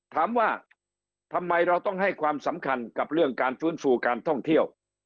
ถามว่าทำไมเราต้องให้ความสำคัญกับเรื่องการฟื้นฟูการท่องเที่ยว